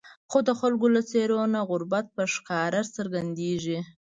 خو د خلکو له څېرو نه غربت په ښکاره څرګندېږي.